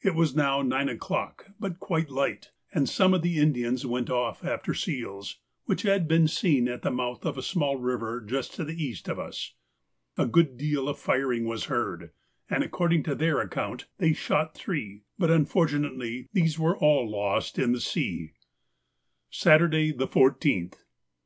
It was now nine o'clock, but quite light, and some of the Indians went off after seals which had been seen in the mouth of a small river just to the east of us. A good deal of firing was heard, and according to their own account they shot three, but unfortunately these were all lost in the sea. _Saturday, the 14th.